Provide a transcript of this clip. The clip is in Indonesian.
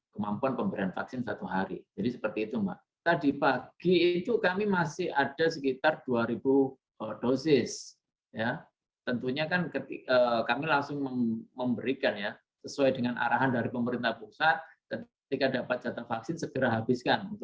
kemampuan pemerintah kota surabaya dalam memberikan vaksin satu hari itu ada di angka empat puluh lima puluh ribu